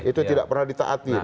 itu tidak pernah ditaatir